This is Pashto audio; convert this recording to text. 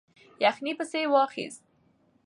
یخنۍ پسې واخیست.